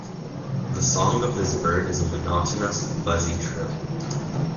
The song of this bird is a monotonous buzzy trill.